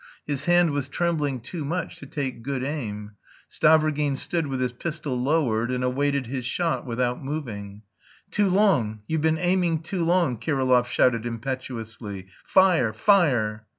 His hand was trembling too much to take good aim. Stavrogin stood with his pistol lowered and awaited his shot without moving. "Too long; you've been aiming too long!" Kirillov shouted impetuously. "Fire! Fire!"